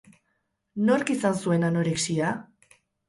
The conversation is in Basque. Nork izan zuen anorexia?